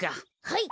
はい。